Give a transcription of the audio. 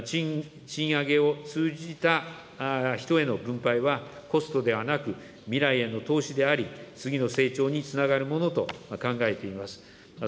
賃上げを通じた人への分配はコストではなく未来への投資であり、次の成長につながるものと考えています。